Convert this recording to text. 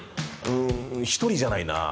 １人じゃないな。